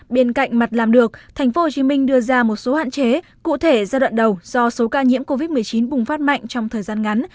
bên cạnh mặt làm được tp hcm đưa ra một số hạn chế cụ thể giai đoạn đầu do số ca nhiễm covid một mươi chín bùng phát mạnh trong thời gian ngắn